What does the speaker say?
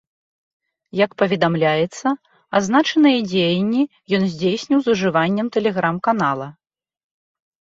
Як паведамляецца, азначаныя дзеянні ён здзейсніў з ужываннем тэлеграм-канала.